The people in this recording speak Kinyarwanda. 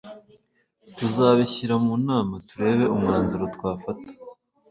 tuzabishyira mu nama turebe umwanzuro twafata